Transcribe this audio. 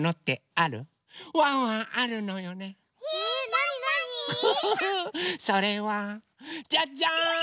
ウフフフそれはじゃじゃん！